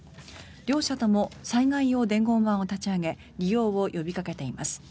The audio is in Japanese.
両社とも災害用伝言板を立ち上げ利用を呼びかけています。